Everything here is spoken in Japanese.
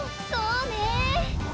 そうねえ。